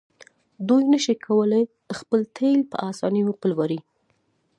دوی نشي کولی خپل تیل په اسانۍ وپلوري.